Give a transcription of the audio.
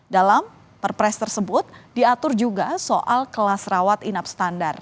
dalam perpres tersebut diatur juga soal kelas rawat inap standar